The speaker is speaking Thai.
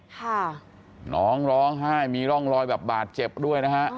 ค่ะน้องร้องไห้มีร่องรอยแบบบาดเจ็บด้วยนะฮะ